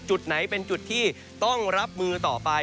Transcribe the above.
จุดไหนเป็นจุดที่ต้องรับมือต่อไป